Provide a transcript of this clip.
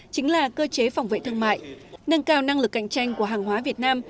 chính là cơ chế phòng vệ thương mại nâng cao năng lực cạnh tranh của hàng hóa việt nam